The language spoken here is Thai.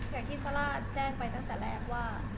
แค่ที่สาระแจ้งไปตั้งแต่แรกว่า